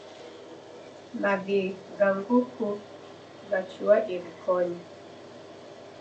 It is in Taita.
Mavi gha nguku ghachua irikonyi